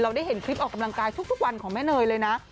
ได้เห็นคลิปออกกำลังกายทุกวันของแม่เนยเลยนะ